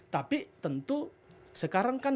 tapi tentu sekarang kan